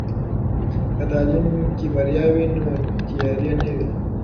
که تعلیم کې بریا وي، نو تیارې نه وي.